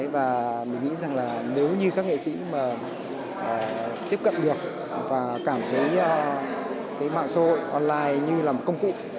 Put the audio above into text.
và mình nghĩ rằng nếu như các nghệ sĩ tiếp cận được và cảm thấy mạng xã hội online như là một công cụ